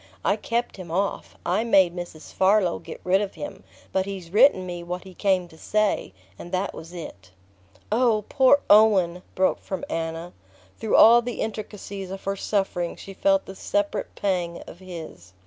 I kept him off I made Mrs. Farlow get rid of him. But he's written me what he came to say; and that was it." "Oh, poor Owen!" broke from Anna. Through all the intricacies of her suffering she felt the separate pang of his.